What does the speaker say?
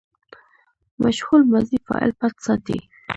مجهول ماضي فاعل پټ ساتي.